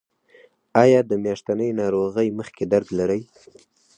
ایا د میاشتنۍ ناروغۍ مخکې درد لرئ؟